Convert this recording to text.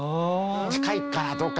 近いかなどうかな。